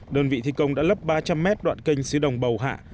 đơn vị thi công đã lấp ba trăm linh mét đoạn kênh xứ đồng bầu hạ